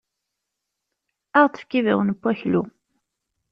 Ad aɣ-d-tefk ibawen n waklu.